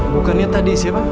bukannya tadi siapa